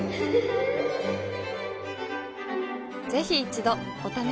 ぜひ一度お試しを。